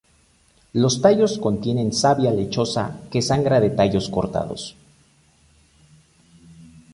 Los tallos contienen savia lechosa que sangra de tallos cortados.